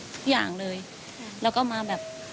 ทุกอย่างเลยแล้วก็มาแบบ